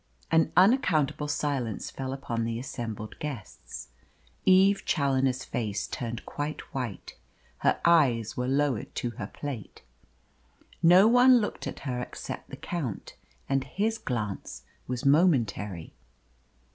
An unaccountable silence fell upon the assembled guests. Eve Challoner's face turned quite white. Her eyes were lowered to her plate. No one looked at her except the Count, and his glance was momentary.